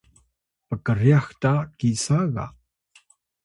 pkryax ta kisa ga